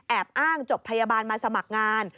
อ้างจบพยาบาลมาสมัครงาน